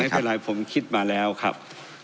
ไม่เป็นไรผมคิดมาแล้วครับ